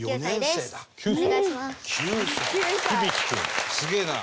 すげえな。